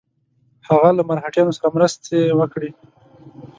هغه له مرهټیانو سره مرستې وکړي.